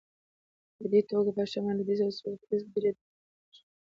په دې توګه په شمال، لوېدیځ او سویل ختیځ کې درې دولتونه جوړ شول.